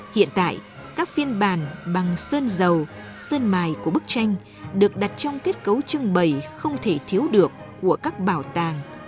hiện tại các phiên bản bằng sơn dầu sơn mài của bức tranh được đặt trong kết cấu trưng bày không thể thiếu được của các bảo tàng